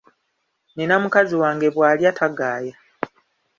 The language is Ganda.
Nina mukazi wange bw’alya tagaaya.